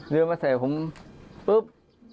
เดินมาใส่ผมปุ๊บ